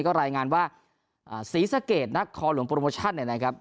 ก็รายงานว่าศรีสะเกดนักคอหลวงโปรโมชั่นเนี่ยนะครับ